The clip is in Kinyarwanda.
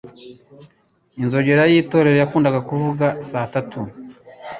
Inzogera yitorero yakundaga kuvuza saa tatu.